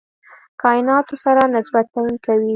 کایناتو سره نسبت تعیین کوي.